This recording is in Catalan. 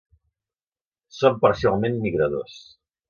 Són parcialment migradors.